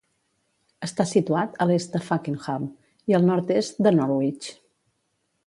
Està situat a l'est de Fakenham i al nord-est de Norwich.